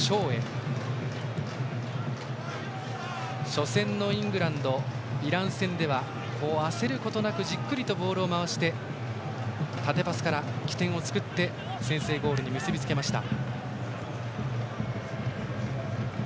初戦のイングランドイラン戦では焦ることなくじっくりとボールを回して縦パスから起点を作って先制ゴールに結びつけました。